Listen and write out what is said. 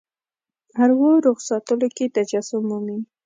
اروا روغ ساتلو کې تجسم مومي.